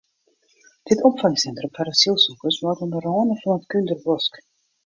Dit opfangsintrum foar asylsikers leit oan de râne fan it Kúnderbosk.